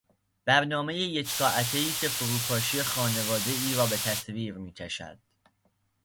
برنامهی یک ساعتهای که فروپاشی خانوادهای را به تصویر میکشد.